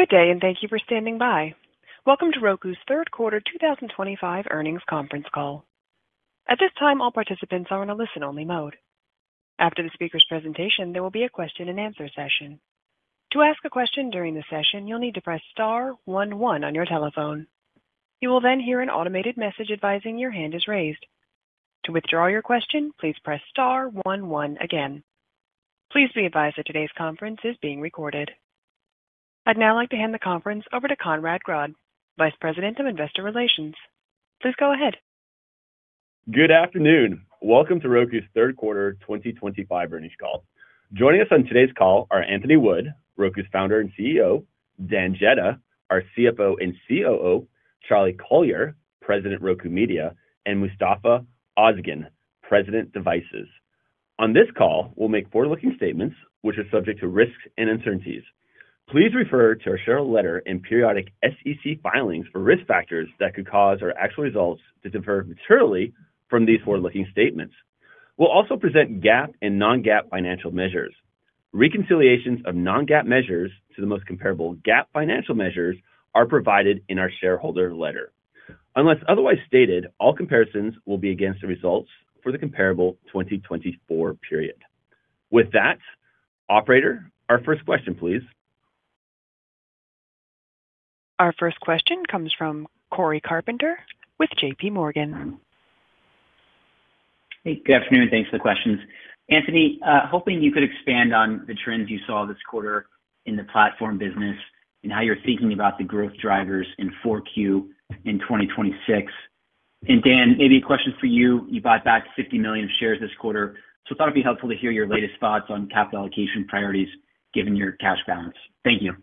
Good day, and thank you for standing by. Welcome to Roku's third quarter 2025 earnings conference call. At this time, all participants are in a listen-only mode. After the speaker's presentation, there will be a question-and-answer session. To ask a question during the session, you'll need to press star one-one on your telephone. You will then hear an automated message advising your hand is raised. To withdraw your question, please press star one-one again. Please be advised that today's conference is being recorded. I'd now like to hand the conference over to Conrad Grodd, Vice President of Investor Relations. Please go ahead. Good afternoon. Welcome to Roku's third quarter 2025 earnings call. Joining us on today's call are Anthony Wood, Roku's Founder and CEO, Dan Jedda, our CFO and COO, Charlie Collier, President, Roku Media, and Mustafa Ozgen, President, Devices. On this call, we'll make forward-looking statements, which are subject to risks and uncertainties. Please refer to our shareholder letter and periodic SEC filings for risk factors that could cause our actual results to differ materially from these forward-looking statements. We'll also present GAAP and non-GAAP financial measures. Reconciliations of non-GAAP measures to the most comparable GAAP financial measures are provided in our shareholder letter. Unless otherwise stated, all comparisons will be against the results for the comparable 2024 period. With that, operator, our first question, please. Our first question comes from Cory Carpenter with JP Morgan. Hey, good afternoon. Thanks for the questions. Anthony, hoping you could expand on the trends you saw this quarter in the platform business and how you're thinking about the growth drivers in 4Q and 2026. Dan, maybe a question for you. You bought back 50 million shares this quarter, so thought it'd be helpful to hear your latest thoughts on capital allocation priorities given your cash balance. Thank you.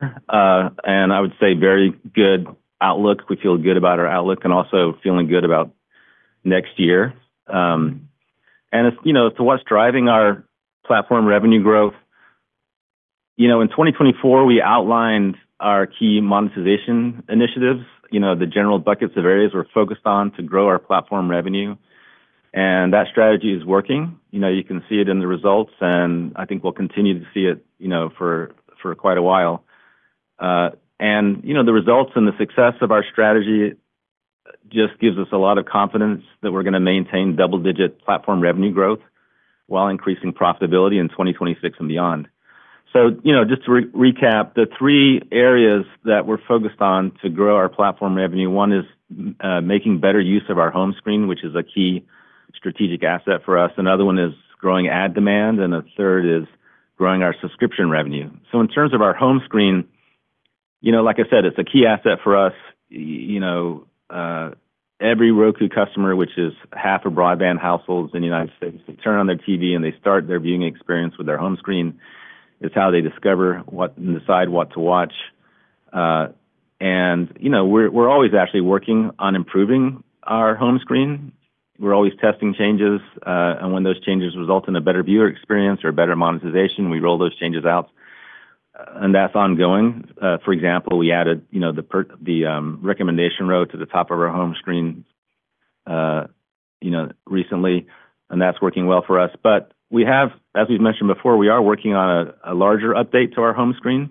I would say very good outlook. We feel good about our outlook and also feeling good about next year. To what's driving our platform revenue growth in 2024, we outlined our key monetization initiatives, the general buckets of areas we're focused on to grow our platform revenue. That strategy is working. You can see it in the results, and I think we'll continue to see it for quite a while. The results and the success of our strategy just gives us a lot of confidence that we're going to maintain double-digit platform revenue growth while increasing profitability in 2026 and beyond. Just to recap, the three areas that we're focused on to grow our platform revenue: one is making better use of our home screen, which is a key strategic asset for us. Another one is growing ad demand, and a third is growing our subscription revenue. In terms of our home screen, like I said, it's a key asset for us. Every Roku customer, which is half of broadband households in the U.S., they turn on their TV and they start their viewing experience with their home screen. It's how they discover and decide what to watch. We're always actually working on improving our home screen. We're always testing changes, and when those changes result in a better viewer experience or better monetization, we roll those changes out. That's ongoing. For example, we added the recommendation row to the top of our home screen recently, and that's working well for us. As we've mentioned before, we are working on a larger update to our home screen.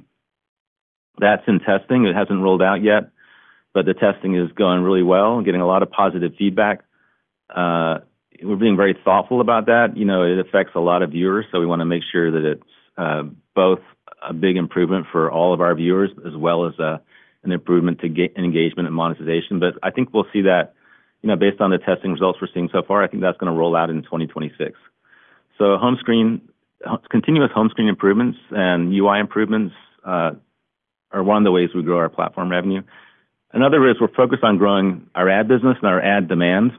That's in testing. It hasn't rolled out yet, but the testing is going really well and getting a lot of positive feedback. We're being very thoughtful about that. It affects a lot of viewers, so we want to make sure that it's both a big improvement for all of our viewers as well as an improvement to engagement and monetization. I think we'll see that based on the testing results we're seeing so far. I think that's going to roll out in 2026. Continuous home screen improvements and UI improvements are one of the ways we grow our platform revenue. Another is we're focused on growing our ad business and our ad demand.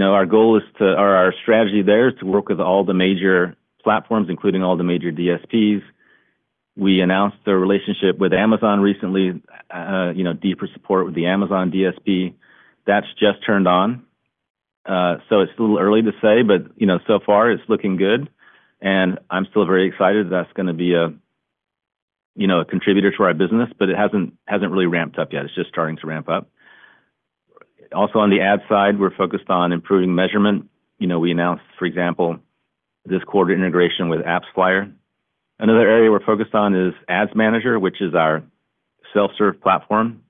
Our goal is to, or our strategy there is to work with all the major platforms, including all the major DSPs. We announced our relationship with Amazon recently, deeper support with the Amazon DSP. That's just turned on. It's a little early to say, but so far it's looking good. I'm still very excited that that's going to be a contributor to our business, but it hasn't really ramped up yet. It's just starting to ramp up. Also, on the ad side, we're focused on improving measurement. We announced, for example, this quarter integration with AppsFlyer. Another area we're focused on is Ads Manager, which is our self-serve platform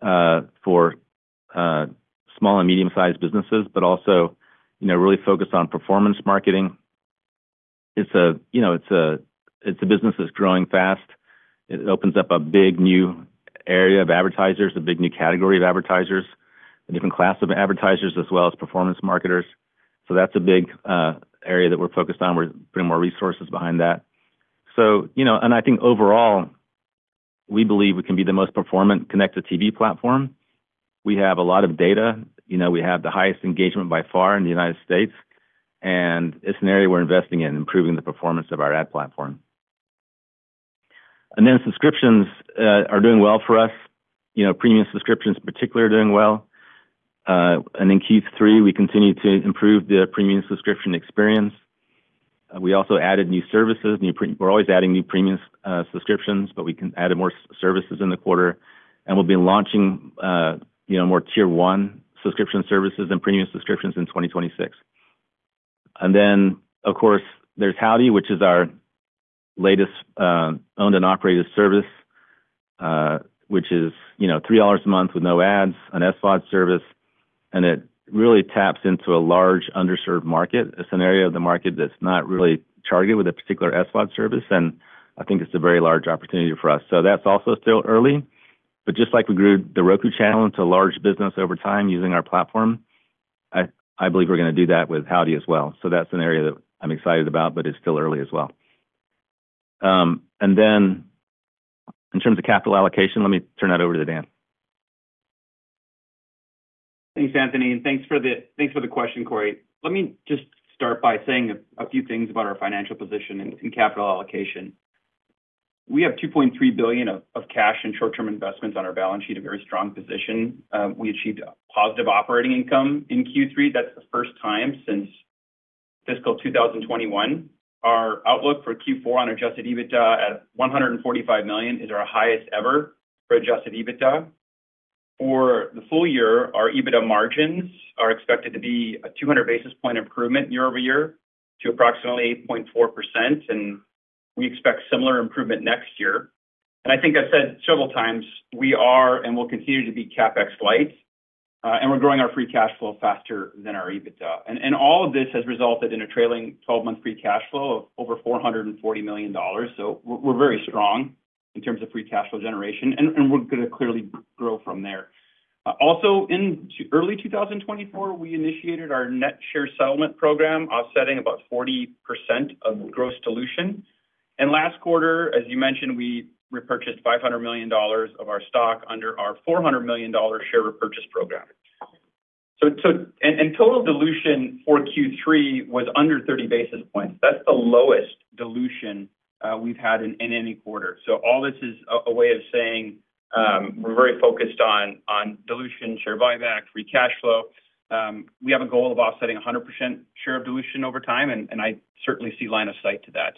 for small and medium-sized businesses, but also really focused on performance marketing. It's a business that's growing fast. It opens up a big new area of advertisers, a big new category of advertisers, a different class of advertisers, as well as performance marketers. That's a big area that we're focused on. We're putting more resources behind that. I think overall we believe we can be the most performant connected TV platform. We have a lot of data. We have the highest engagement by far in the U.S., and it's an area we're investing in, improving the performance of our ad platform. Subscriptions are doing well for us. Premium subscriptions in particular are doing well, and in Q3, we continue to improve the premium subscription experience. We also added new services. We're always adding new premium subscriptions, but we can add more services in the quarter. We'll be launching more Tier 1 subscription services and premium subscriptions in 2026. Of course, there's Howdy, which is our latest owned and operated service, which is $3 a month with no ads, an SVOD service. It really taps into a large underserved market, a scenario of the market that's not really targeted with a particular SVOD service. I think it's a very large opportunity for us. That's also still early, but just like we grew The Roku Channel into a large business over time using our platform, I believe we're going to do that with Howdy as well. That's an area that I'm excited about, but it's still early as well. In terms of capital allocation, let me turn that over to Dan. Thanks, Anthony. Thanks for the question, Cory. Let me just start by saying a few things about our financial position and capital allocation. We have $2.3 billion of cash and short-term investments on our balance sheet, a very strong position. We achieved a positive operating income in Q3, the first time since fiscal 2021. Our outlook for Q4 on adjusted EBITDA at $145 million is our highest ever for adjusted EBITDA. For the full year, our EBITDA margins are expected to be a 200 basis point improvement year-over-year to approximately 8.4%. We expect similar improvement next year. I think I've said several times, we are and will continue to be CapEx light. We're growing our free cash flow faster than our EBITDA. All of this has resulted in a trailing 12-month free cash flow of over $440 million. We're very strong in terms of free cash flow generation, and we're going to clearly grow from there. Also, in early 2024, we initiated our net share settlement program, offsetting about 40% of gross dilution. Last quarter, as you mentioned, we repurchased $500 million of our stock under our $400 million share repurchase program. Total dilution for Q3 was under 30 basis points, the lowest dilution we've had in any quarter. All this is a way of saying we're very focused on dilution, share buyback, free cash flow. We have a goal of offsetting 100% share of dilution over time, and I certainly see line of sight to that.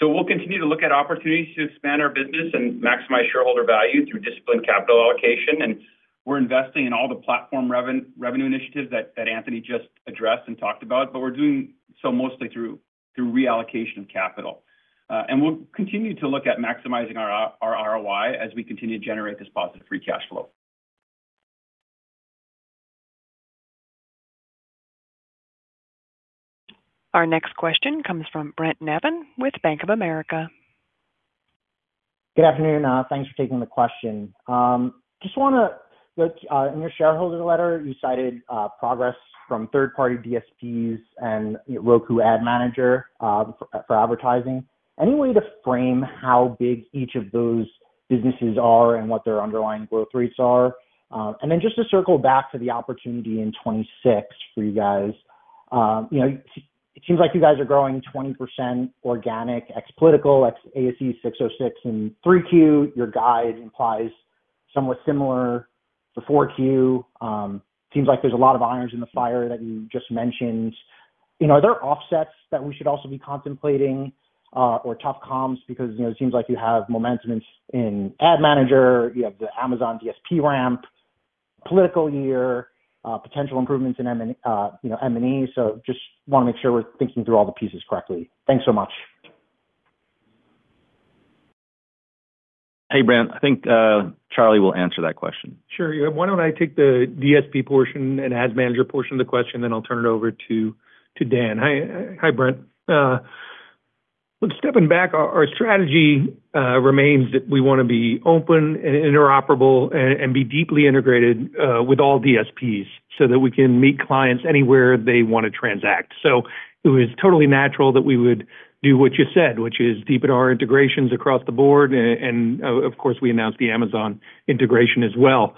We'll continue to look at opportunities to expand our business and maximize shareholder value through disciplined capital allocation. We're investing in all the platform revenue initiatives that Anthony just addressed and talked about, but we're doing so mostly through reallocation of capital. We'll continue to look at maximizing our ROI as we continue to generate this positive free cash flow. Our next question comes from Brent Navon with Bank of America. Good afternoon. Thanks for taking the question. Just want to note, in your shareholder letter, you cited progress from third-party DSPs and Roku Ads Manager for advertising. Any way to frame how big each of those businesses are and what their underlying growth rates are? Just to circle back to the opportunity in 2026 for you guys, it seems like you guys are growing 20% organic, ex-political, ex-ASC 606 in Q3. Your guide implies somewhat similar for Q4. It seems like there's a lot of irons in the fire that you just mentioned. Are there offsets that we should also be contemplating or tough comps? It seems like you have momentum in Ads Manager, you have the Amazon DSP ramp, political year, potential improvements in M&E. Just want to make sure we're thinking through all the pieces correctly. Thanks so much. Hey, Brent. I think Charlie will answer that question. Sure. Why don't I take the DSP portion and Ads Manager portion of the question, then I'll turn it over to Dan. Hi, Brent. Stepping back, our strategy remains that we want to be open and interoperable and be deeply integrated with all DSPs so that we can meet clients anywhere they want to transact. It was totally natural that we would do what you said, which is deepen our integrations across the board. Of course, we announced the Amazon integration as well.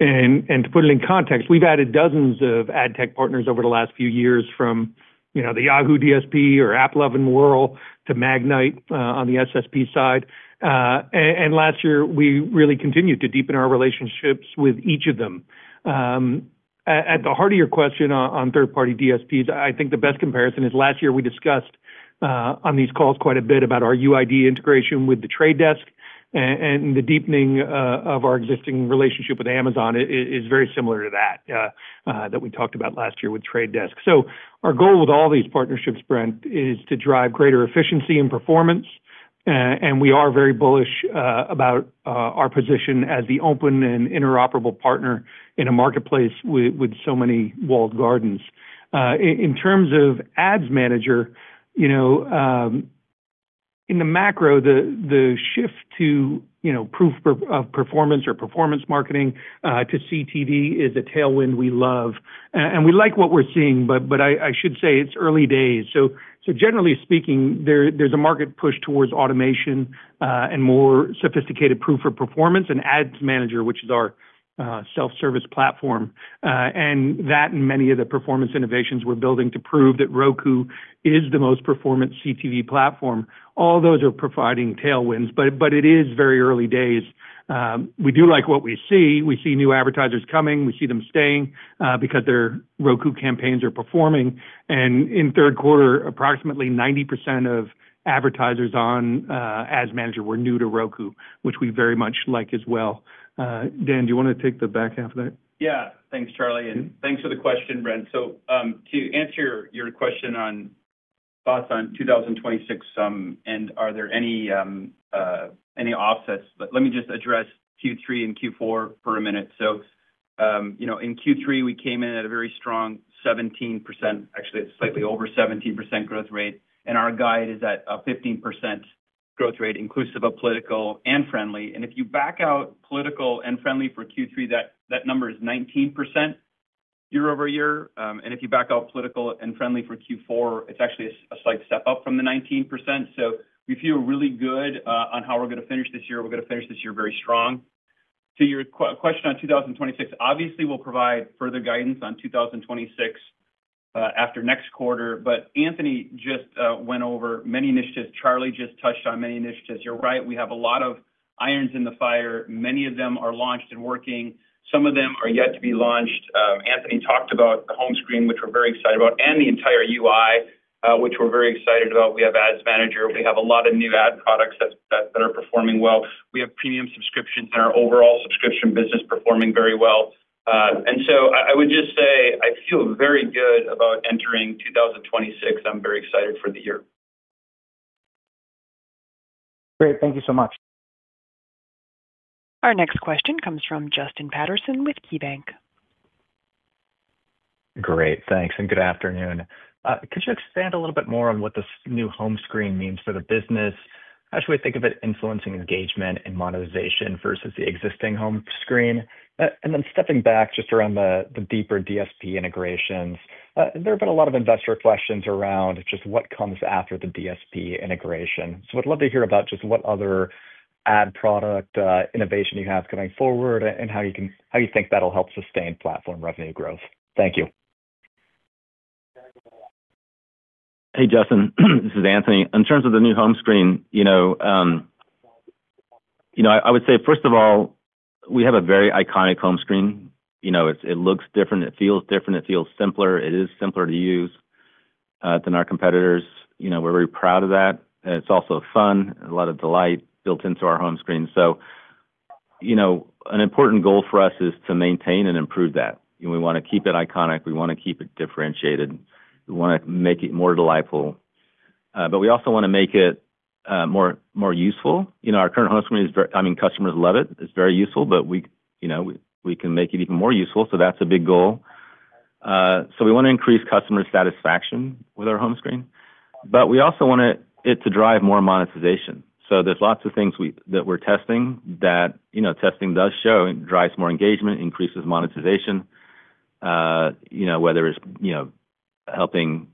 To put it in context, we've added dozens of ad tech partners over the last few years from the Yahoo DSP or AppLovin and Whirl to Magnite on the SSP side. Last year, we really continued to deepen our relationships with each of them. At the heart of your question on third-party DSPs, I think the best comparison is last year we discussed on these calls quite a bit about our UID integration with The Trade Desk. The deepening of our existing relationship with Amazon is very similar to that we talked about last year with The Trade Desk. Our goal with all these partnerships, Brent, is to drive greater efficiency and performance. We are very bullish about our position as the open and interoperable partner in a marketplace with so many walled gardens. In terms of Ads Manager, in the macro, the shift to proof of performance or performance marketing to CTV is a tailwind we love. We like what we're seeing, but I should say it's early days. Generally speaking, there's a market push towards automation and more sophisticated proof of performance, and Ads Manager, which is our self-service platform, and many of the performance innovations we're building to prove that Roku is the most performant CTV platform. All those are providing tailwinds, but it is very early days. We do like what we see. We see new advertisers coming. We see them staying because their Roku campaigns are performing. In third quarter, approximately 90% of advertisers on Ads Manager were new to Roku, which we very much like as well. Dan, do you want to take the back half of that? Yeah. Thanks, Charlie. Thanks for the question, Brent. To answer your question on thoughts on 2026 and are there any offsets, let me just address Q3 and Q4 for a minute. In Q3, we came in at a very strong 17%, actually slightly over 17% growth rate. Our guide is at a 15% growth rate, inclusive of political and Frndly. If you back out political and Frndly for Q3, that number is 19% year-over-year. If you back out political and Frndly for Q4, it's actually a slight step up from the 19%. We feel really good on how we're going to finish this year. We're going to finish this year very strong. To your question on 2026, obviously, we'll provide further guidance on 2026 after next quarter. Anthony just went over many initiatives. Charlie just touched on many initiatives. You're right. We have a lot of irons in the fire. Many of them are launched and working. Some of them are yet to be launched. Anthony talked about the home screen, which we're very excited about, and the entire UI, which we're very excited about. We have Roku Ads Manager. We have a lot of new ad products that are performing well. We have premium subscriptions and our overall subscription business performing very well. I would just say I feel very good about entering 2026. I'm very excited for the year. Great, thank you so much. Our next question comes from Justin Patterson with KeyBanc. Great. Thanks. Good afternoon. Could you expand a little bit more on what this new home screen means for the business? How should we think of it influencing engagement and monetization versus the existing home screen? Stepping back just around the deeper DSP integrations, there have been a lot of investor questions around just what comes after the DSP integration. I'd love to hear about just what other ad product innovation you have coming forward and how you think that'll help sustain platform revenue growth. Thank you. Hey, Justin. This is Anthony. In terms of the new home screen, I would say, first of all, we have a very iconic home screen. It looks different. It feels different. It feels simpler. It is simpler to use than our competitors. We're very proud of that. It's also fun, a lot of delight built into our home screen. An important goal for us is to maintain and improve that. We want to keep it iconic. We want to keep it differentiated. We want to make it more delightful. We also want to make it more useful. Our current home screen is, I mean, customers love it. It's very useful, but we can make it even more useful. That's a big goal. We want to increase customer satisfaction with our home screen. We also want it to drive more monetization. There are lots of things that we're testing that testing does show drives more engagement, increases monetization, whether it's helping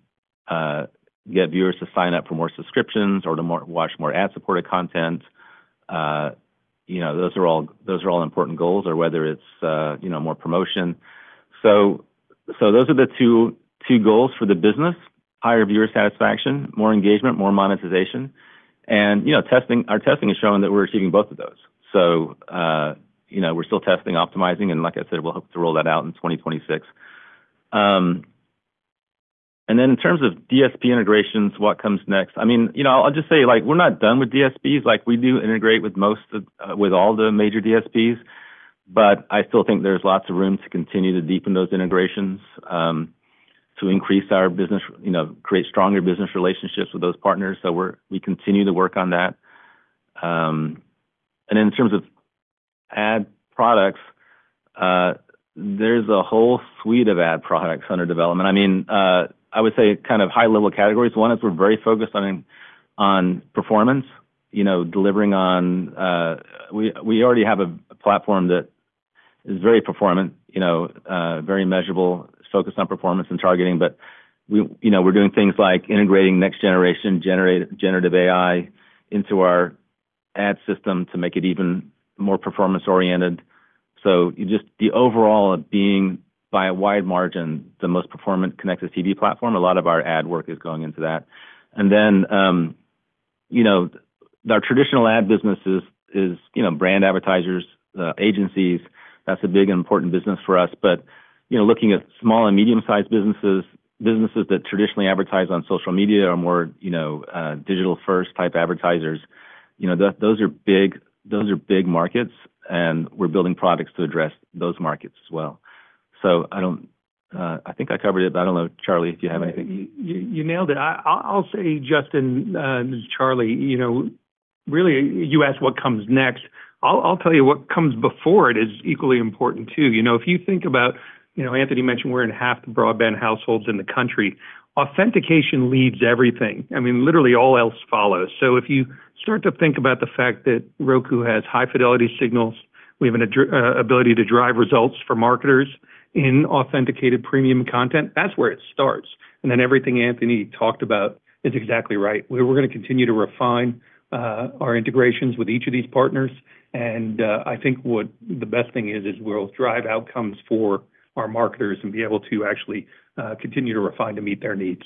get viewers to sign up for more subscriptions or to watch more ad-supported content. Those are all important goals, whether it's more promotion. Those are the two goals for the business: higher viewer satisfaction, more engagement, more monetization. Our testing is showing that we're achieving both of those. We're still testing, optimizing, and like I said, we'll hope to roll that out in 2026. In terms of DSP integrations, what comes next? I'll just say we're not done with DSPs. We do integrate with all the major DSPs, but I still think there's lots of room to continue to deepen those integrations, to increase our business, create stronger business relationships with those partners. We continue to work on that. In terms of ad products, there's a whole suite of ad products under development. I would say kind of high-level categories. One is we're very focused on performance, delivering on, we already have a platform that is very performant, very measurable, focused on performance and targeting. We're doing things like integrating next-generation generative AI into our ad system to make it even more performance-oriented. The overall of being by a wide margin the most performant connected TV platform, a lot of our ad work is going into that. Our traditional ad business is brand advertisers, agencies. That's a big and important business for us. Looking at small and medium-sized businesses that traditionally advertise on social media or more digital-first type advertisers, those are big markets, and we're building products to address those markets as well. I think I covered it, but I don't know, Charlie, if you have anything. You nailed it. I'll say, Justin, Charlie. Really, you asked what comes next. I'll tell you what comes before it is equally important too. If you think about it, Anthony mentioned we're in half the broadband households in the country, authentication leads everything. I mean, literally all else follows. If you start to think about the fact that Roku has high fidelity signals, we have an ability to drive results for marketers in authenticated premium content. That's where it starts. Everything Anthony talked about is exactly right. We are going to continue to refine our integrations with each of these partners. I think the best thing is we will drive outcomes for our marketers and be able to actually continue to refine to meet their needs.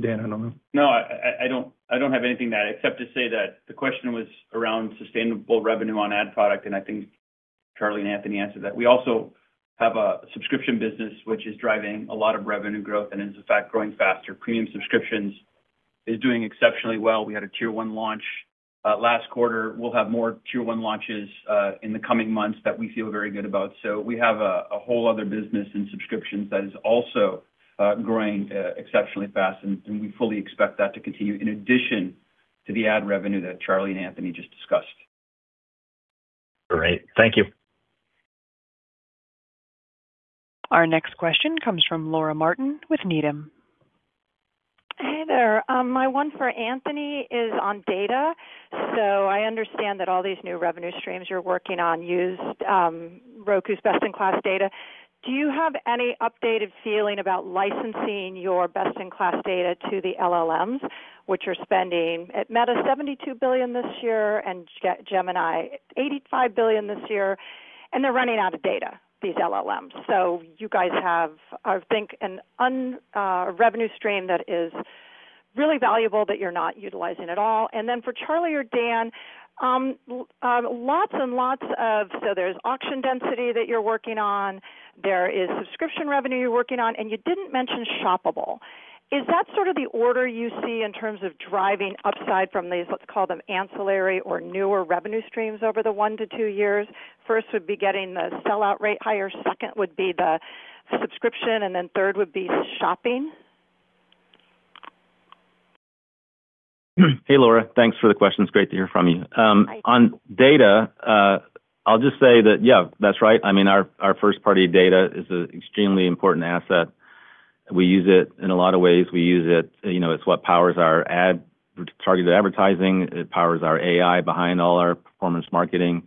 Dan, I don't know. No, I don't have anything to add except to say that the question was around sustainable revenue on ad product, and I think Charlie and Anthony answered that. We also have a subscription business, which is driving a lot of revenue growth and is, in fact, growing faster. Premium subscriptions is doing exceptionally well. We had a tier-one launch last quarter. We'll have more tier-one launches in the coming months that we feel very good about. We have a whole other business in subscriptions that is also growing exceptionally fast, and we fully expect that to continue in addition to the ad revenue that Charlie and Anthony just discussed. Great. Thank you. Our next question comes from Laura Martin with Needham. Hey there. My one for Anthony is on data. I understand that all these new revenue streams you're working on use Roku's best-in-class data. Do you have any updated feeling about licensing your best-in-class data to the LLMs, which are spending at Meta $72 billion this year and Gemini $85 billion this year, and they're running out of data, these LLMs? You guys have, I think, a revenue stream that is really valuable that you're not utilizing at all. For Charlie or Dan, there is auction density that you're working on, there is subscription revenue you're working on, and you didn't mention shoppable. Is that sort of the order you see in terms of driving upside from these, let's call them ancillary or newer revenue streams over the one to two years? First would be getting the sell-out rate higher, second would be the subscription, and then third would be shopping. Hey, Laura. Thanks for the questions. Great to hear from you. On data, I'll just say that, yeah, that's right. I mean, our first-party data is an extremely important asset. We use it in a lot of ways. We use it. It's what powers our ad targeted advertising. It powers our AI behind all our performance marketing.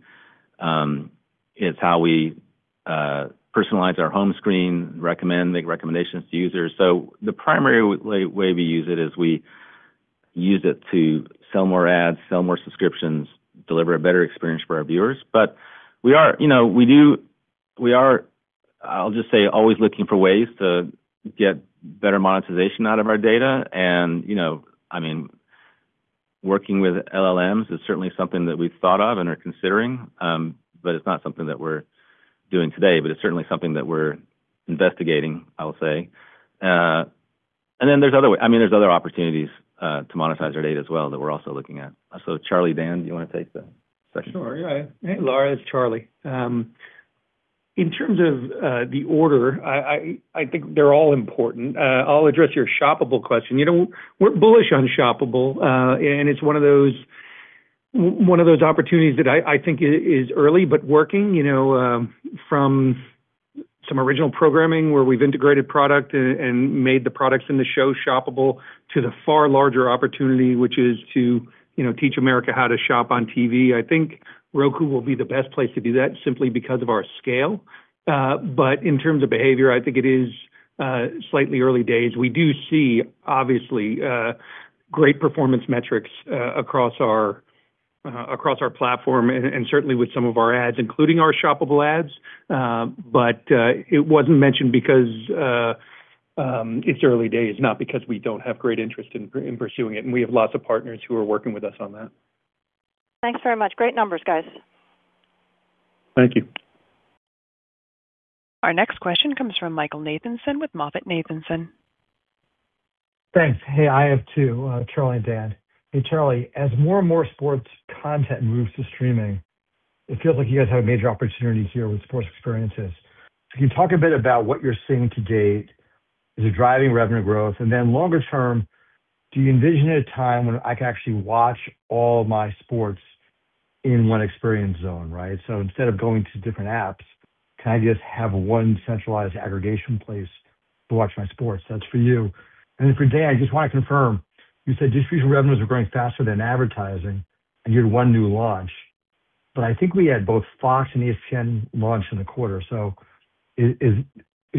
It's how we personalize our home screen, make recommendations to users. The primary way we use it is we use it to sell more ads, sell more subscriptions, deliver a better experience for our viewers. We are always looking for ways to get better monetization out of our data. I mean, working with LLMs is certainly something that we've thought of and are considering, but it's not something that we're doing today. It's certainly something that we're investigating, I'll say. There are other ways, I mean, there are other opportunities to monetize our data as well that we're also looking at. Charlie, Dan, do you want to take the second? Sure. Hey, Laura. It's Charlie. In terms of the order, I think they're all important. I'll address your shoppable question. We're bullish on shoppable, and it's one of those opportunities that I think is early but working. From some original programming where we've integrated product and made the products in the show shoppable to the far larger opportunity, which is to teach America how to shop on TV, I think Roku will be the best place to do that simply because of our scale. In terms of behavior, I think it is slightly early days. We do see, obviously, great performance metrics across our platform and certainly with some of our ads, including our shoppable ads. It wasn't mentioned because it's early days, not because we don't have great interest in pursuing it. We have lots of partners who are working with us on that. Thanks very much. Great numbers, guys. Thank you. Our next question comes from Michael Nathanson with MoffettNathanson. Thanks. Hey, I have two, Charlie and Dan. Hey, Charlie, as more and more sports content moves to streaming, it feels like you guys have a major opportunity here with sports experiences. Can you talk a bit about what you're seeing to date as a driving revenue growth? Longer-term, do you envision a time when I can actually watch all my sports in one experience zone, right? Instead of going to different apps, can I just have one centralized aggregation place to watch my sports? That's for you. For Dan, I just want to confirm, you said distribution revenues are growing faster than advertising, and you had one new launch. I think we had both Fox and ESPN launch in the quarter. Is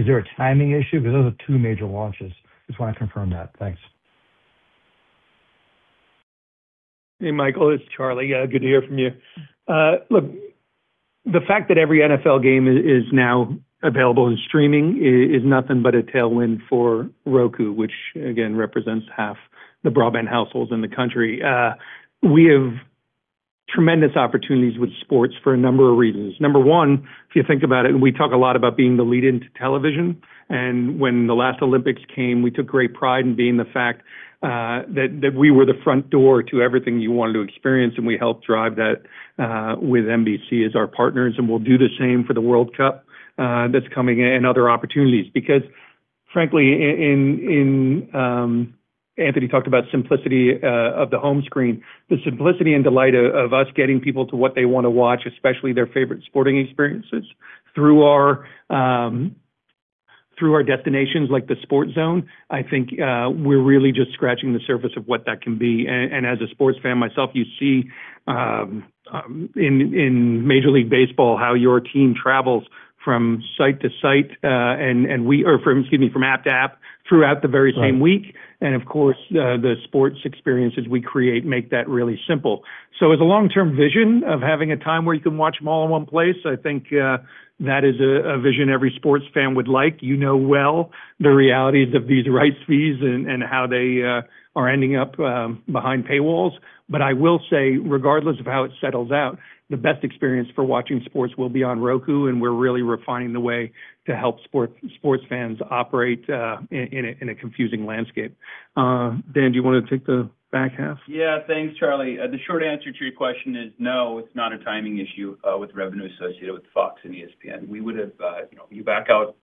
there a timing issue? Those are two major launches. Just want to confirm that. Thanks. Hey, Michael. It's Charlie. Yeah, good to hear from you. Look, the fact that every NFL game is now available in streaming is nothing but a tailwind for Roku, which, again, represents 1/2 the broadband households in the country. We have tremendous opportunities with sports for a number of reasons. Number one, if you think about it, we talk a lot about being the lead into television. When the last Olympics came, we took great pride in being the fact that we were the front door to everything you wanted to experience. We helped drive that with NBC as our partners. We'll do the same for the World Cup that's coming and other opportunities. Frankly, Anthony talked about simplicity of the home screen, the simplicity and delight of us getting people to what they want to watch, especially their favorite sporting experiences through our destinations like the Roku Sports Zone. I think we're really just scratching the surface of what that can be. As a sports fan myself, you see in Major League Baseball how your team travels from site to site and, excuse me, from app to app throughout the very same week. Of course, the sports experiences we create make that really simple. As a long-term vision of having a time where you can watch them all in one place, I think that is a vision every sports fan would like. You know the realities of these rights fees and how they are ending up behind paywalls. I will say, regardless of how it settles out, the best experience for watching sports will be on Roku, and we're really refining the way to help sports fans operate in a confusing landscape. Dan, do you want to take the back half? Thanks, Charlie. The short answer to your question is no, it's not a timing issue with revenue associated with Fox and ESPN. You back out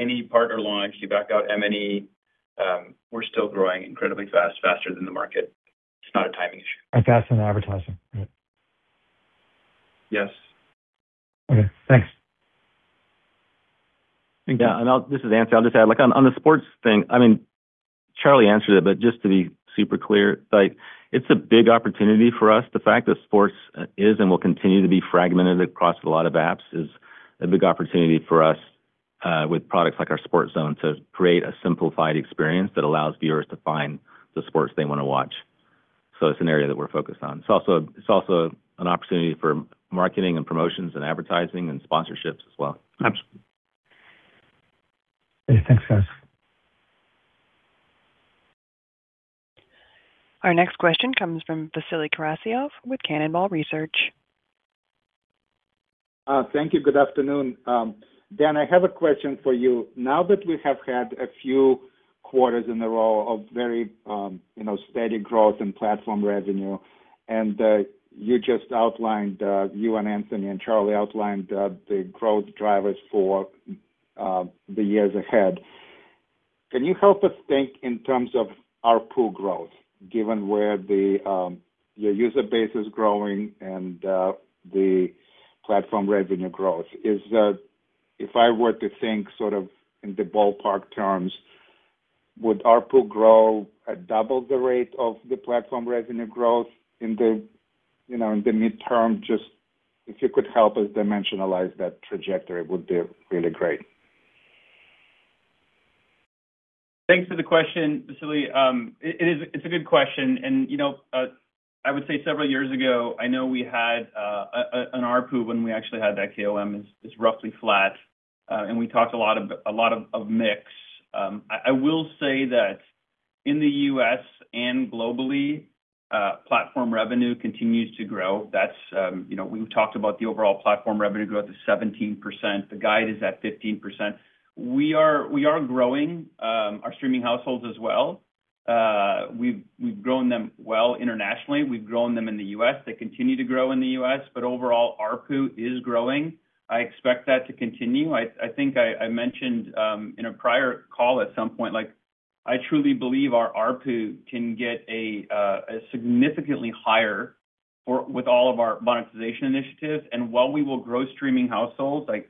any partner launch, you back out M&E, we're still growing incredibly fast, faster than the market. It's not a timing issue. Faster than advertising. Yes. Okay. Thanks. Yeah. This is Anthony. I'll just add, on the sports thing, Charlie answered it, but just to be super clear, it's a big opportunity for us. The fact that sports is and will continue to be fragmented across a lot of apps is a big opportunity for us. With products like our Roku Sports Zone to create a simplified experience that allows viewers to find the sports they want to watch, it's an area that we're focused on. It's also an opportunity for marketing and promotions and advertising and sponsorships as well. Absolutely. Thanks, guys. Our next question comes from Vasily Karasyov with Cannonball Research. Thank you. Good afternoon. Dan, I have a question for you. Now that we have had a few quarters in a row of very steady growth in platform revenue, and you just outlined, you and Anthony and Charlie outlined the growth drivers for the years ahead. Can you help us think in terms of ARPU growth, given where your user base is growing and the platform revenue growth? If I were to think sort of in the ballpark terms, would ARPU grow at double the rate of the platform revenue growth in the midterm? Just if you could help us dimensionalize that trajectory, it would be really great. Thanks for the question, Vasily. It's a good question. I would say several years ago, I know we had an ARPU when we actually had that KOM is roughly flat. We talked a lot of mix. I will say that in the U.S. and globally, platform revenue continues to grow. We've talked about the overall platform revenue growth is 17%. The guide is at 15%. We are growing our streaming households as well. We've grown them well internationally. We've grown them in the U.S. They continue to grow in the U.S. Overall, our ARPU is growing. I expect that to continue. I think I mentioned in a prior call at some point, I truly believe our ARPU can get significantly higher with all of our monetization initiatives. While we will grow streaming households, I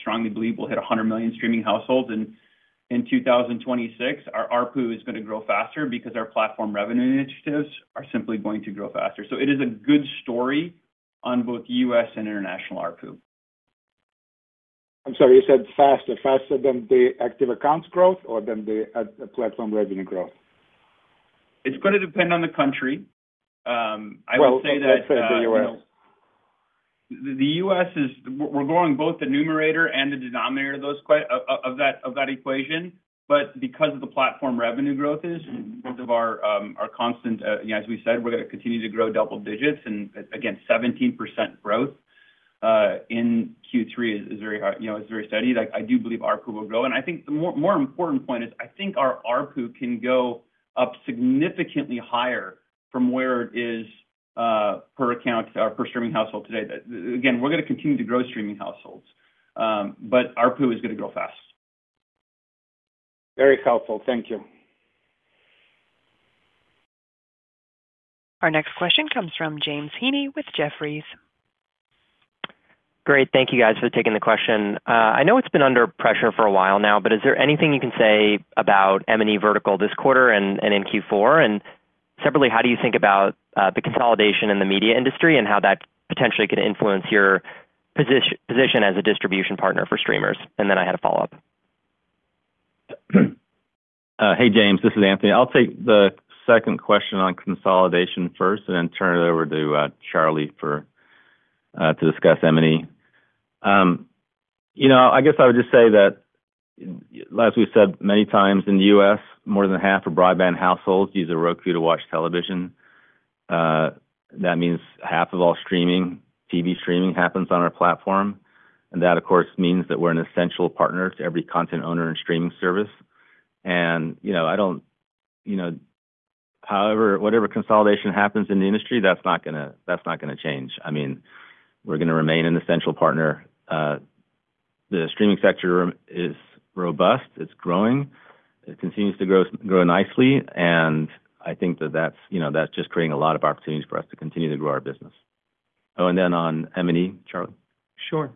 strongly believe we'll hit 100 million streaming households in 2026. Our ARPU is going to grow faster because our platform revenue initiatives are simply going to grow faster. It is a good story on both U.S. and international ARPU. I'm sorry, you said faster. Faster than the active accounts growth or than the platform revenue growth? It's going to depend on the country. I would say that. Let's say the U.S. The U.S. is, we're growing both the numerator and the denominator of that equation. Because of the platform revenue growth, both are constant, as we said, we're going to continue to grow double digits. Again, 17% growth in Q3 is very steady. I do believe ARPU will grow. I think the more important point is, I think our ARPU can go up significantly higher from where it is per account, per streaming household today. Again, we're going to continue to grow streaming households, but ARPU is going to grow fast. Very helpful. Thank you. Our next question comes from James Heaney with Jefferies. Great. Thank you, guys, for taking the question. I know it's been under pressure for a while now, but is there anything you can say about M&E vertical this quarter and in Q4? Separately, how do you think about the consolidation in the media industry and how that potentially could influence your position as a distribution partner for streamers? I had a follow-up. Hey, James. This is Anthony. I'll take the second question on consolidation first and then turn it over to Charlie to discuss M&E. I guess I would just say that, as we've said many times, in the U.S., more than half of broadband households use a Roku to watch television. That means half of all TV streaming happens on our platform. That, of course, means that we're an essential partner to every content owner and streaming service. Whatever consolidation happens in the industry, that's not going to change. We're going to remain an essential partner. The streaming sector is robust. It's growing. It continues to grow nicely. I think that that's just creating a lot of opportunities for us to continue to grow our business. Oh, and then on M&E, Charlie? Sure.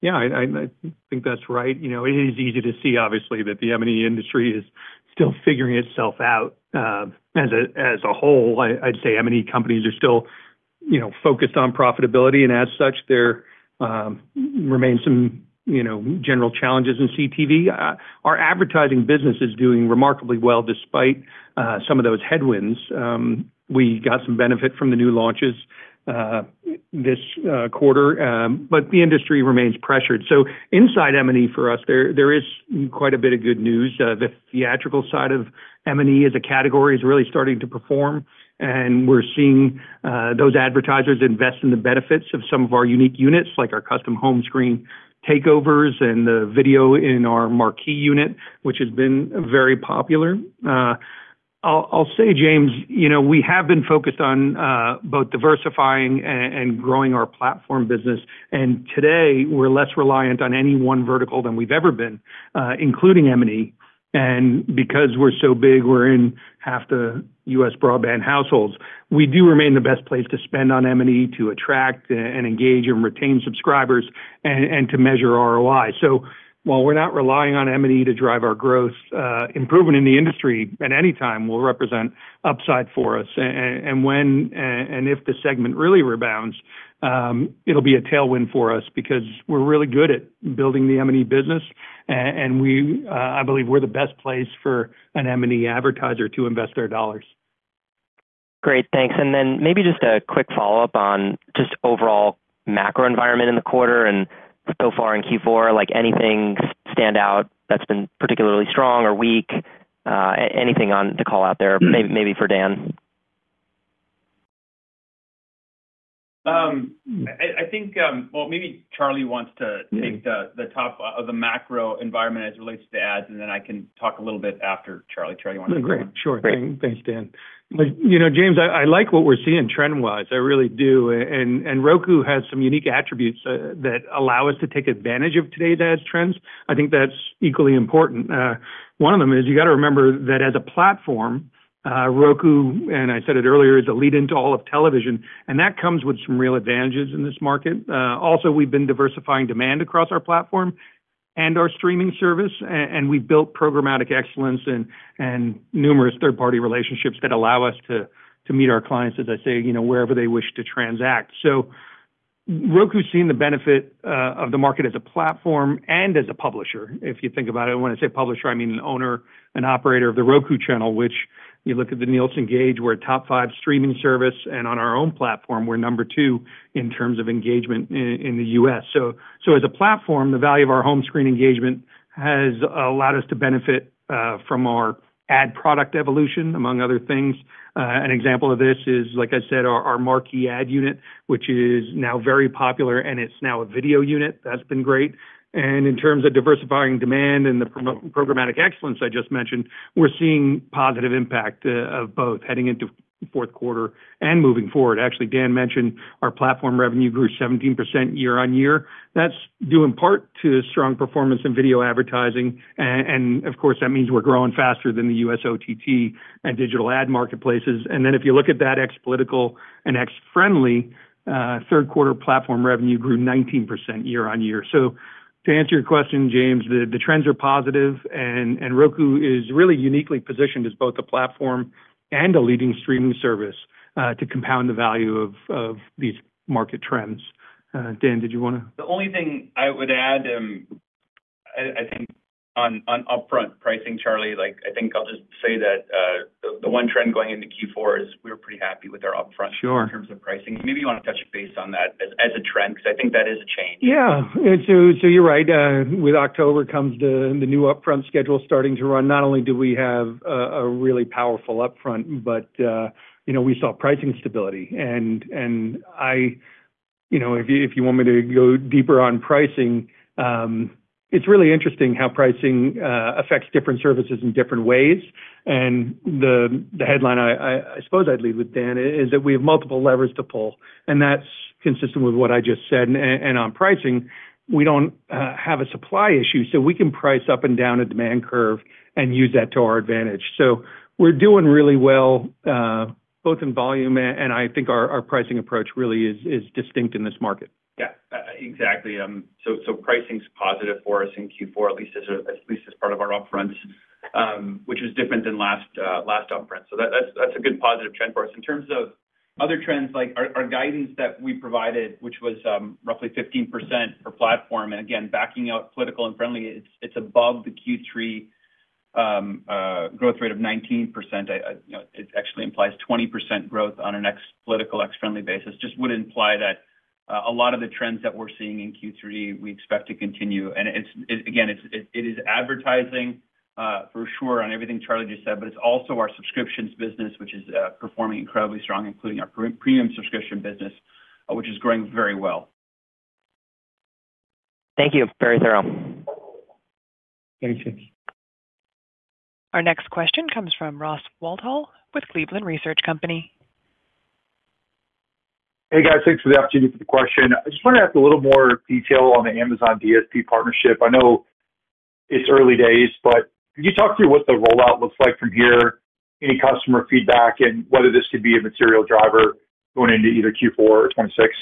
Yeah. I think that's right. It is easy to see, obviously, that the M&E industry is still figuring itself out as a whole. I'd say M&E companies are still focused on profitability, and as such, there remain some general challenges in CTV. Our advertising business is doing remarkably well despite some of those headwinds. We got some benefit from the new launches this quarter, but the industry remains pressured. Inside M&E, for us, there is quite a bit of good news. The theatrical side of M&E as a category is really starting to perform, and we're seeing those advertisers invest in the benefits of some of our unique units, like our custom home screen takeovers and the video in our marquee unit, which has been very popular. I'll say, James, we have been focused on both diversifying and growing our platform business, and today, we're less reliant on any one vertical than we've ever been, including M&E. Because we're so big, we're in half the U.S. broadband households. We do remain the best place to spend on M&E to attract and engage and retain subscribers and to measure ROI. While we're not relying on M&E to drive our growth, improvement in the industry at any time will represent upside for us. If the segment really rebounds, it'll be a tailwind for us because we're really good at building the M&E business, and I believe we're the best place for an M&E advertiser to invest their dollars. Great. Thanks. Maybe just a quick follow-up on just overall macro environment in the quarter and so far in Q4. Anything stand out that's been particularly strong or weak? Anything on the call out there, maybe for Dan? I think maybe Charlie wants to take the top of the macro environment as it relates to ads. I can talk a little bit after Charlie. Charlie, you want to take the floor? Sure. Thanks, Dan. James, I like what we're seeing trend-wise. I really do. Roku has some unique attributes that allow us to take advantage of today's ad trends. I think that's equally important. One of them is you got to remember that as a platform, Roku, and I said it earlier, is a lead-in to all of television. That comes with some real advantages in this market. Also, we've been diversifying demand across our platform and our streaming service. We've built programmatic excellence and numerous third-party relationships that allow us to meet our clients, as I say, wherever they wish to transact. Roku's seen the benefit of the market as a platform and as a publisher. If you think about it, when I say publisher, I mean an owner, an operator of The Roku Channel, which you look at the Nielsen gauge, we're a top five streaming service. On our own platform, we're number two in terms of engagement in the U.S. As a platform, the value of our home screen engagement has allowed us to benefit from our ad product evolution, among other things. An example of this is, like I said, our marquee ad unit, which is now very popular, and it's now a video unit. That's been great. In terms of diversifying demand and the programmatic excellence I just mentioned, we're seeing positive impact of both heading into fourth quarter and moving forward. Actually, Dan mentioned our platform revenue grew 17% year-on-year. That's due in part to strong performance in video advertising. Of course, that means we're growing faster than the U.S. OTT and digital ad marketplaces. If you look at that ex-political and ex-Frndly TV, third-quarter platform revenue grew 19% year-on-year. To answer your question, James, the trends are positive. Roku is really uniquely positioned as both a platform and a leading streaming service to compound the value of these market trends. Dan, did you want to? The only thing I would add, I think, on upfront pricing, Charlie, I think I'll just say that the one trend going into Q4 is we were pretty happy with our upfront in terms of pricing. Maybe you want to touch base on that as a trend because I think that is a change. Yeah. You're right. With October comes the new upfront schedule starting to run. Not only do we have a really powerful upfront, but we saw pricing stability. If you want me to go deeper on pricing, it's really interesting how pricing affects different services in different ways. The headline I suppose I'd leave with, Dan, is that we have multiple levers to pull. That's consistent with what I just said. On pricing, we don't have a supply issue. We can price up and down a demand curve and use that to our advantage. We're doing really well, both in volume, and I think our pricing approach really is distinct in this market. Yeah. Exactly. Pricing's positive for us in Q4, at least as part of our upfronts, which was different than last upfront. That's a good positive trend for us. In terms of other trends, our guidance that we provided, which was roughly 15% per platform, and again, backing out political and Frndly TV, it's above the Q3 growth rate of 19%. It actually implies 20% growth on our next political ex-Frndly TV basis. That would imply that a lot of the trends that we're seeing in Q3, we expect to continue. It is advertising, for sure, on everything Charlie just said, but it's also our subscriptions business, which is performing incredibly strong, including our premium subscription business, which is growing very well. Thank you. Very thorough. Thanks, James. Our next question comes from Ross Walthall with Cleveland Research Company. Hey, guys. Thanks for the opportunity for the question. I just want to ask a little more detail on the Amazon DSP partnership. I know it's early days, but could you talk through what the rollout looks like from here, any customer feedback, and whether this could be a material driver going into either Q4 or 2026?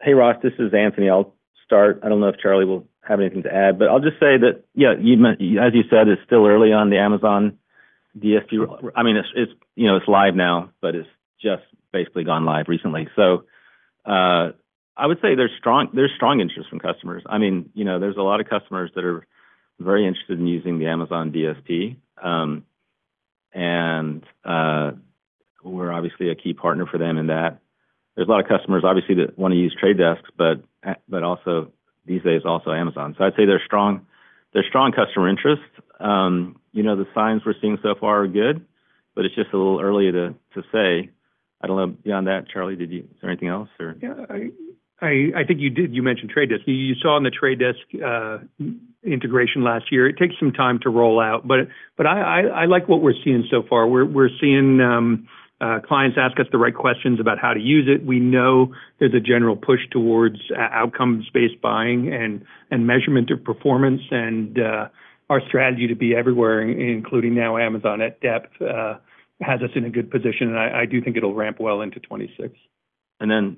Hey, Ross. This is Anthony. I'll start. I don't know if Charlie will have anything to add. I'll just say that, yeah, as you said, it's still early on the Amazon DSP. It's live now, but it's just basically gone live recently. I would say there's strong interest from customers. There's a lot of customers that are very interested in using the Amazon DSP. We're obviously a key partner for them in that. There's a lot of customers, obviously, that want to use The Trade Desk, but also these days, also Amazon. I'd say there's strong customer interest. The signs we're seeing so far are good, but it's just a little early to say. I don't know beyond that, Charlie, is there anything else? Yeah, I think you did. You mentioned The Trade Desk. You saw in The Trade Desk integration last year. It takes some time to roll out, but I like what we're seeing so far. We're seeing clients ask us the right questions about how to use it. We know there's a general push towards outcome-based buying and measurement of performance. Our strategy to be everywhere, including now Amazon DSP, has us in a good position. I do think it'll ramp well into 2026. Dan,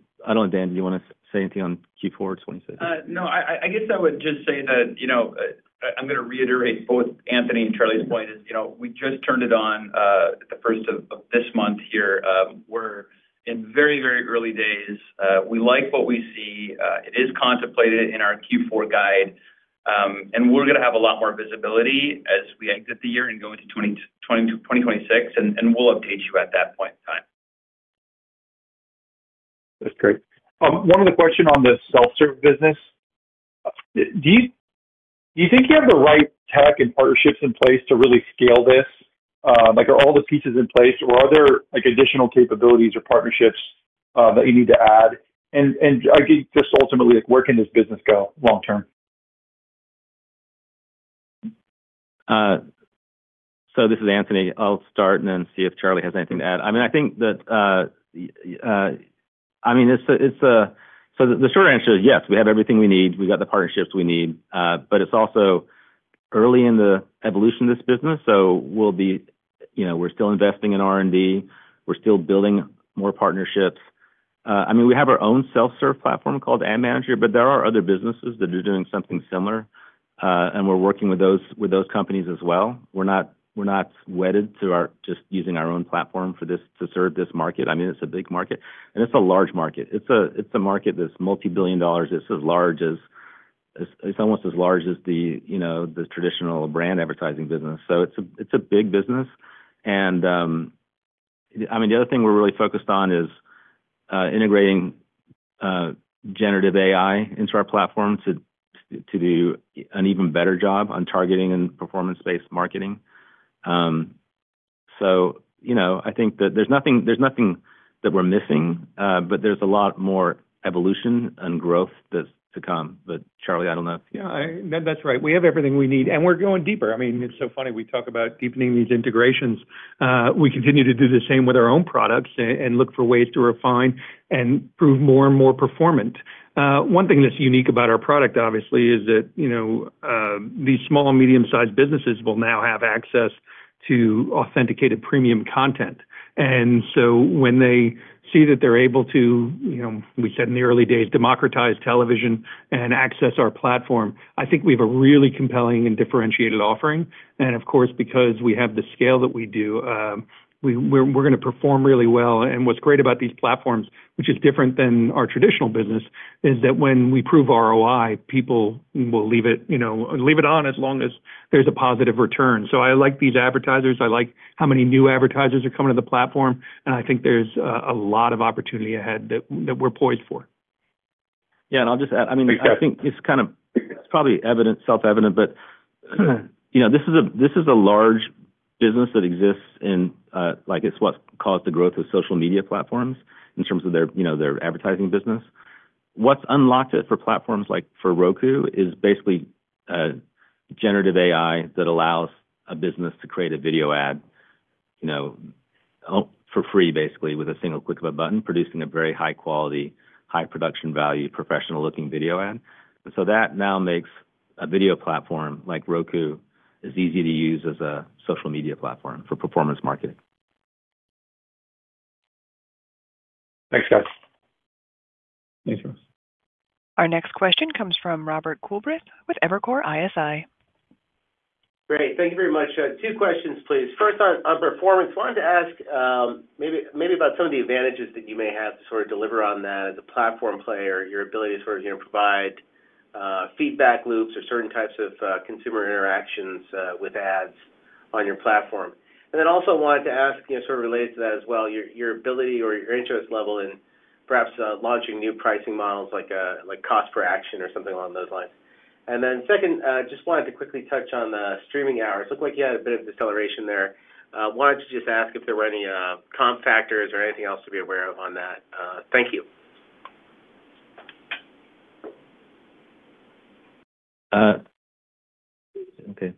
do you want to say anything on Q4 2026? I guess I would just say that I'm going to reiterate both Anthony and Charlie's point. We just turned it on the first of this month here. We're in very, very early days. We like what we see. It is contemplated in our Q4 guide. We're going to have a lot more visibility as we exit the year and go into 2026. We'll update you at that point in time. That's great. One other question on the self-serve business. Do you think you have the right tech and partnerships in place to really scale this? Are all the pieces in place? Are there additional capabilities or partnerships that you need to add? I think just ultimately, where can this business go long-term? This is Anthony. I'll start and then see if Charlie has anything to add. The short answer is yes. We have everything we need. We've got the partnerships we need. It's also early in the evolution of this business. We're still investing in R&D. We're still building more partnerships. We have our own self-serve platform called Roku Ads Manager, but there are other businesses that are doing something similar. We're working with those companies as well. We're not wedded to just using our own platform to serve this market. It's a big market. It's a large market. It's a market that's multi-billion dollars. It's almost as large as the traditional brand advertising business. It's a big business. The other thing we're really focused on is integrating generative AI into our platform to do an even better job on targeting and performance-based marketing. I think that there's nothing that we're missing, but there's a lot more evolution and growth that's to come. Charlie, I don't know. Yeah, that's right. We have everything we need, and we're going deeper. I mean, it's so funny. We talk about deepening these integrations. We continue to do the same with our own products and look for ways to refine and prove more and more performant. One thing that's unique about our product, obviously, is that these small and medium-sized businesses will now have access to authenticated premium content. When they see that they're able to, we said in the early days, democratize television and access our platform. I think we have a really compelling and differentiated offering. Of course, because we have the scale that we do, we're going to perform really well. What's great about these platforms, which is different than our traditional business, is that when we prove ROI, people will leave it on as long as there's a positive return. I like these advertisers. I like how many new advertisers are coming to the platform, and I think there's a lot of opportunity ahead that we're poised for. Yeah. I'll just add, I think it's kind of probably self-evident, but this is a large business that exists in what's called the growth of social media platforms in terms of their advertising business. What's unlocked for platforms like Roku is basically generative AI that allows a business to create a video ad for free, basically, with a single click of a button, producing a very high-quality, high-production-value, professional-looking video ad. That now makes a video platform like Roku as easy to use as a social media platform for performance marketing. Thanks, guys. Thanks, Ross. Our next question comes from Robert Coolbrith with Evercore ISI. Great. Thank you very much. Two questions, please. First, on performance, wanted to ask maybe about some of the advantages that you may have to sort of deliver on that as a platform player, your ability to sort of provide feedback loops or certain types of consumer interactions with ads on your platform. Also wanted to ask, sort of related to that as well, your ability or your interest level in perhaps launching new pricing models like cost per action or something along those lines. Second, just wanted to quickly touch on the streaming hours. Looked like you had a bit of acceleration there. Wanted to just ask if there were any comp factors or anything else to be aware of on that. Thank you. Okay.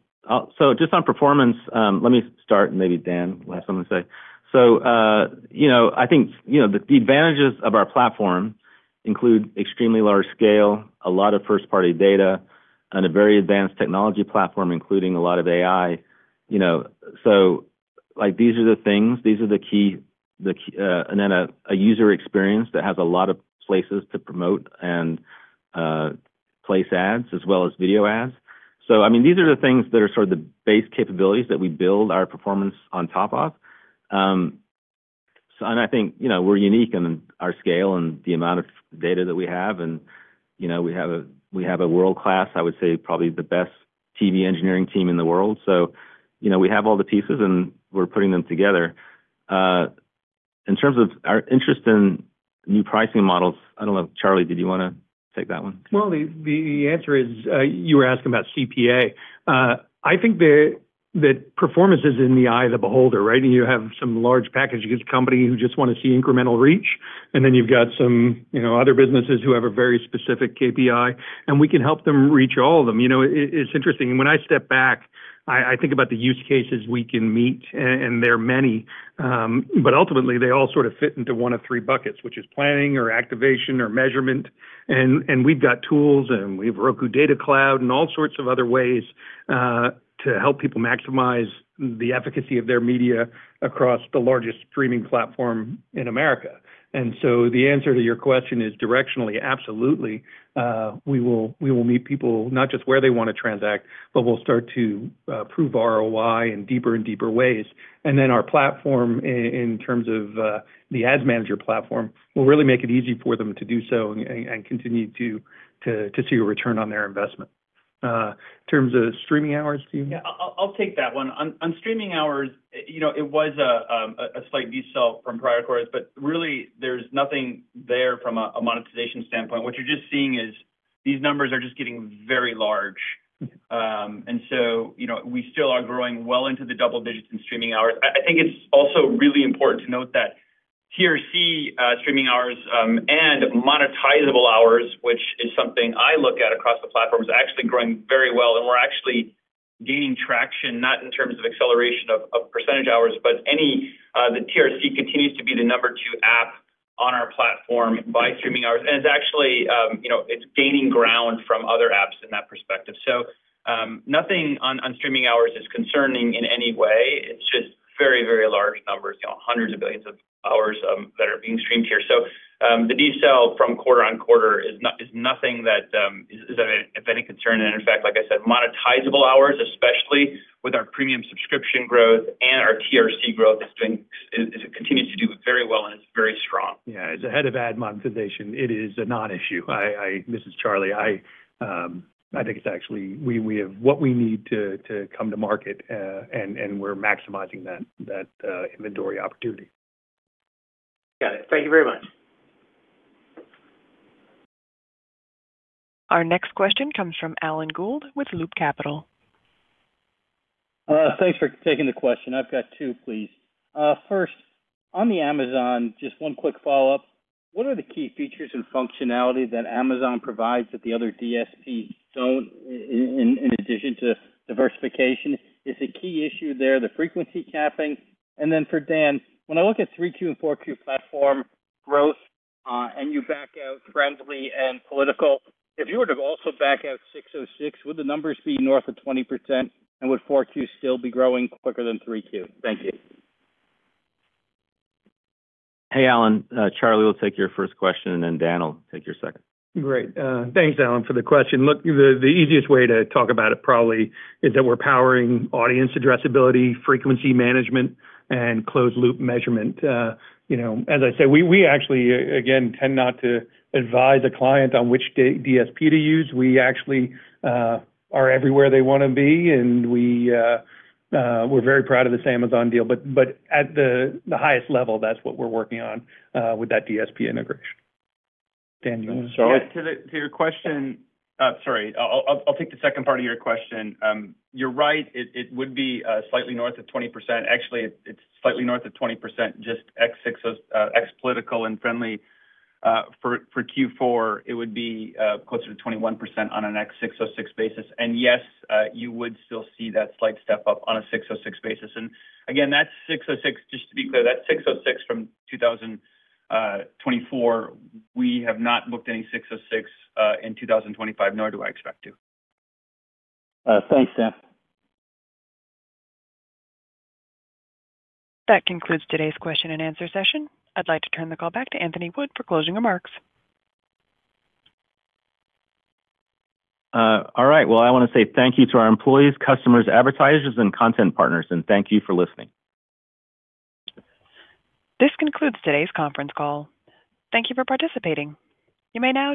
Just on performance, let me start and maybe Dan will have something to say. I think the advantages of our platform include extremely large scale, a lot of first-party data, and a very advanced technology platform, including a lot of AI. These are the things. These are the key. Then a user experience that has a lot of places to promote and place ads as well as video ads. These are the things that are sort of the base capabilities that we build our performance on top of. I think we're unique in our scale and the amount of data that we have. We have a world-class, I would say, probably the best TV engineering team in the world. We have all the pieces, and we're putting them together. In terms of our interest in new pricing models, I don't know, Charlie, did you want to take that one? The answer is you were asking about CPA. I think that performance is in the eye of the beholder, right? You have some large packaging company who just want to see incremental reach, and then you've got some other businesses who have a very specific KPI. We can help them reach all of them. It's interesting. When I step back, I think about the use cases we can meet, and there are many. Ultimately, they all sort of fit into one of three buckets, which is planning or activation or measurement. We've got tools, and we have Roku Data Cloud and all sorts of other ways to help people maximize the efficacy of their media across the largest streaming platform in America. The answer to your question is directionally, absolutely. We will meet people not just where they want to transact, but we'll start to prove ROI in deeper and deeper ways. Our platform, in terms of the Roku Ads Manager platform, will really make it easy for them to do so and continue to see a return on their investment. In terms of streaming hours, do you? I'll take that one. On streaming hours, it was a slight de-sell from prior quarters, but really, there's nothing there from a monetization standpoint. What you're just seeing is these numbers are just getting very large. We still are growing well into the double digits in streaming hours. I think it's also really important to note that The Roku Channel streaming hours and monetizable hours, which is something I look at across the platform, is actually growing very well. We're actually gaining traction, not in terms of acceleration of percent hours, but TRC continues to be the number two app on our platform by streaming hours. It's actually gaining ground from other apps in that perspective. Nothing on streaming hours is concerning in any way. It's just very, very large numbers, hundreds of billions of hours that are being streamed here. The de-sell from quarter on quarter is nothing that is of any concern. In fact, like I said, monetizable hours, especially with our premium subscription growth and our TRC growth, continues to do very well and is very strong. Yeah, as the Head of Ad Monetization, it is a non-issue. This is Charlie. I think it's actually what we need to come to market, and we're maximizing that inventory opportunity. Got it. Thank you very much. Our next question comes from Alan Gould with Loop Capital. Thanks for taking the question. I've got two, please. First, on the Amazon, just one quick follow-up. What are the key features and functionality that Amazon provides that the other DSPs don't? In addition to diversification, is the key issue there the frequency capping? For Dan, when I look at 3Q and 4Q platform growth, and you back out Frndly TV and political, if you were to also back out ASC 606, would the numbers be north of 20%? Would 4Q still be growing quicker than 3Q? Thank you. Hey, Alan. Charlie will take your first question, and Dan will take your second. Great. Thanks, Alan, for the question. Look, the easiest way to talk about it probably is that we're powering audience addressability, frequency management, and closed-loop measurement. As I say, we tend not to advise a client on which DSP to use. We are everywhere they want to be. We're very proud of this Amazon deal. At the highest level, that's what we're working on with that DSP integration. Dan. Sorry. To your question, sorry, I'll take the second part of your question. You're right. It would be slightly north of 20%. Actually, it's slightly north of 20% just ex-political and Frndly TV. For Q4, it would be closer to 21% on an ex-ASC 606 basis. Yes, you would still see that slight step up on an ASC 606 basis. That's ASC 606, just to be clear, that's ASC 606 from 2024. We have not booked any ASC 606 in 2025, nor do I expect to. Thanks, Dan. That concludes today's question and answer session. I'd like to turn the call back to Anthony Wood for closing remarks. I want to say thank you to our employees, customers, advertisers, and content partners. Thank you for listening. This concludes today's conference call. Thank you for participating. You may now disconnect.